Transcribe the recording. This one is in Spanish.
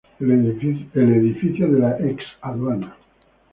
El edificio de la Ex Aduana.